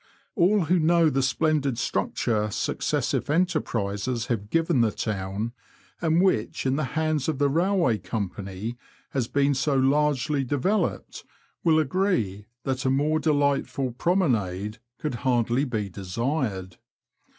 All who know the splendid structure successive enterprises have given the town, and which in the hands of the Kailway Company has been so largely developed, will agree that a more delightful promenade could hardly be desired.